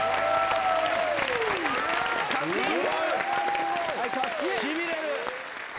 しびれる！